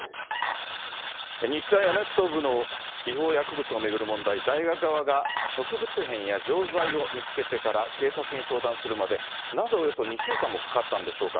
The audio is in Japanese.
香りに驚くアサヒの「颯」大学側が植物片や錠剤を見つけてから、警察に相談するまで、なぜおよそ２週間もかかったんでしょうか。